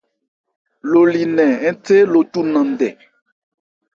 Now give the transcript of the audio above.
Lo li nnɛn ńthé lo cu nan ndɛ.